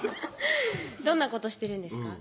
どんなことしてるんですか？